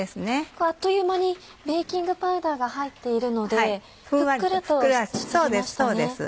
あっという間にベーキングパウダーが入っているのでふっくらとして来ましたね。